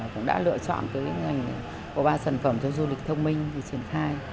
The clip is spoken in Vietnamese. cũng đã lựa chọn ngành bộ ba sản phẩm cho du lịch thông minh để triển khai